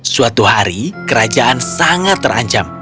suatu hari kerajaan sangat terancam